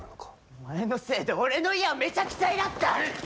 お前のせいで俺の家はめちゃくちゃになった！